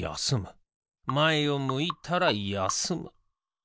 まえをむいたらやすむ。